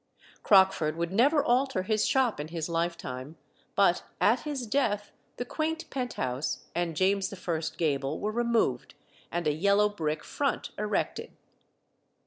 Crockford would never alter his shop in his lifetime; but at his death the quaint pent house and James I. gable were removed, and a yellow brick front erected.